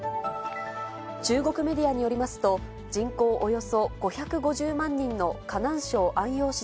中国メディアによりますと、人口およそ５５０万人の河南省安陽